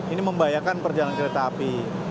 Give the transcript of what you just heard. ini membahayakan perjalanan kereta api